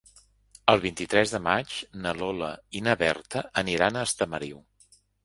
El vint-i-tres de maig na Lola i na Berta aniran a Estamariu.